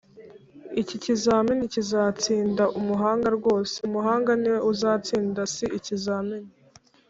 iki kizamini kizatsinda umuhanga rwose (umuhanga niwe uzatsinda si ikizamini)